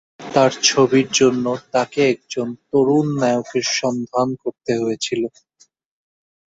তার ছবির জন্য তাকে একজন তরুণ নায়কের সন্ধান করতে হয়েছিল।